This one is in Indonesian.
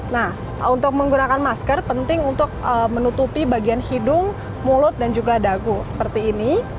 nah untuk menggunakan masker penting untuk menutupi bagian hidung mulut dan juga dagu seperti ini